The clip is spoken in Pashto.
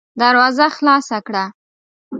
دروازه خلاصه کړه!